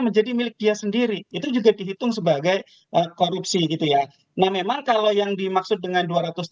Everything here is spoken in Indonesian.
menjadi milik dia sendiri itu juga dihitung sebagai korupsi gitu ya nah memang kalau yang dimaksud dengan